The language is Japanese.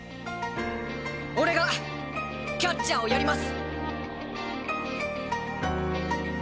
俺がキャッチャーをやります！